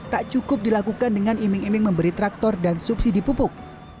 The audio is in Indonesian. tak cukup dilakukan dengan iming iming memberi traktor dan subsidi pupuk